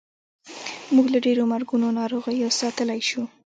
موږ له ډېرو مرګونو ناروغیو ساتلی شو.